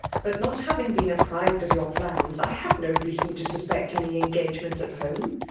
But not having been apprised of your plaB8> I had no reason to sitepect any engagement at home.